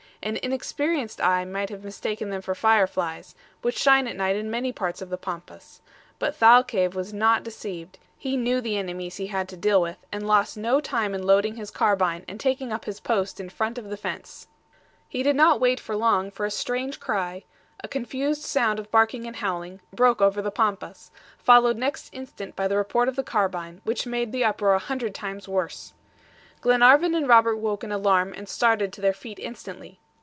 An inexperienced eye might have mistaken them for fireflies, which shine at night in many parts of the Pampas; but Thalcave was not deceived; he knew the enemies he had to deal with, and lost no time in loading his carbine and taking up his post in front of the fence. He did not wait long, for a strange cry a confused sound of barking and howling broke over the Pampas, followed next instant by the report of the carbine, which made the uproar a hundred times worse. Glenarvan and Robert woke in alarm, and started to their feet instantly.